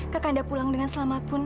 kakanda pulang dengan selama pun